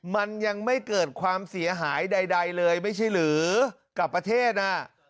มันยังไม่เกิดความเสียหายใดเลยไม่ใช่หรือกับประเทศน่ะ